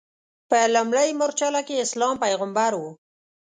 په لومړۍ مورچله کې اسلام پیغمبر و.